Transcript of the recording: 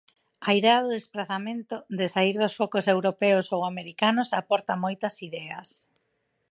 A idea do desprazamento, de saír dos focos europeos ou americanos aporta moitas ideas.